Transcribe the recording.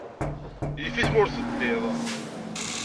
Yif-it ma ur teddiḍ.